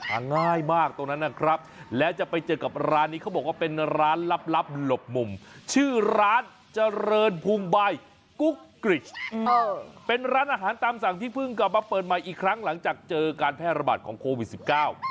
ง่ายมากตรงนั้นนะครับแล้วจะไปเจอกับร้านนี้เขาบอกว่าเป็นร้านลับลับหลบมุมชื่อร้านเจริญภูมิบายกุ๊กกริชเป็นร้านอาหารตามสั่งที่เพิ่งกลับมาเปิดใหม่อีกครั้งหลังจากเจอการแพร่ระบาดของโควิดสิบเก้า